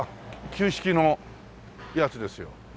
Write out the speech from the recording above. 旧式のやつですよ。